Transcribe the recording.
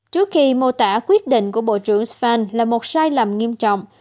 trước khi mô tả quyết định của bộ trưởng stan là một sai lầm nghiêm trọng